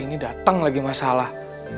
ini dateng lagi masalah